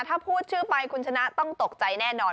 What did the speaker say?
ถ้าพูดชื่อไปคุณชนะต้องตกใจแน่นอน